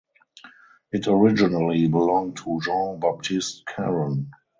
It originally belonged to Jean Baptiste Caron.